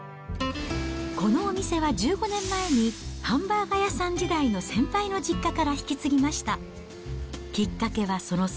このお店は１５年前に、ハンバーガー屋さん時代の先輩の実家から引き継ぎました。